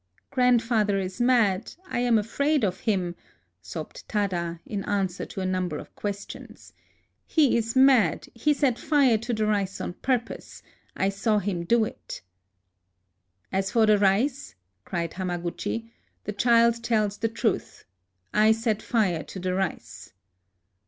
" Grandfather is mad, — I am afraid of him !" sobbed Tada, in answer to a number of questions. " He is mad. He set fire to the rice on purpose : I saw him do it !" "As for the rice," cried Hamaguchi, "the child tells the truth. I set fire to the rice.